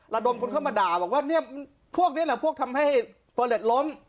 ระดมคนเข้ามาด่าบอกว่าเนี่ยพวกนี้แหละพวกทำให้เฟอร์เล็ตล้ม